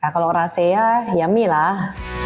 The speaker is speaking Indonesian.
kalau rahasia ya milah